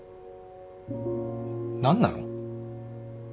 何なの。